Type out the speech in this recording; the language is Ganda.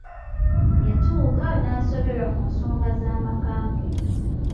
Yatuuka n'asoberwa ku nsonga z'amaka ge.